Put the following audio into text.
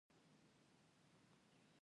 بیا مې پښه په نس کې ور کېښوول.